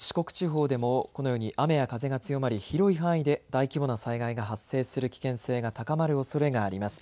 中国地方や四国地方でもこのように雨や風が強まり広い範囲で大規模な災害が発生する危険性が高まるおそれがあります。